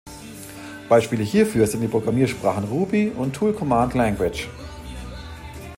Beispiele hierfür sind die Programmiersprachen Ruby und Tool Command Language.